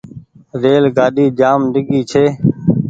ريل گآڏي جآم ڊيگهي ڇي۔